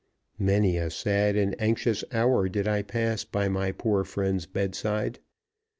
Many a sad and anxious hour did I pass by my poor friend's bedside.